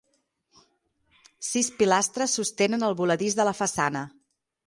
Sis pilastres sostenen el voladís de la façana.